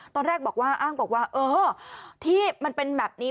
ตอนแรกบอกว่าอ้างบอกว่าเออที่มันเป็นแบบนี้